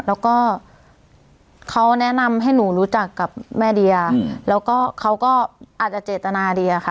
แล้วก็เขาแนะนำให้หนูรู้จักกับแม่เดียแล้วก็เขาก็อาจจะเจตนาดีอะค่ะ